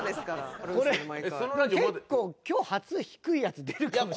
これ結構今日初低いやつ出るかもしれない。